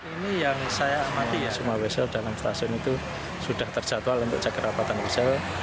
ini yang saya amati semua wesel dalam stasiun itu sudah terjadwal untuk cek kerabatan wesel